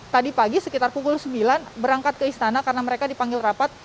tadi pagi sekitar pukul sembilan berangkat ke istana karena mereka dipanggil rapat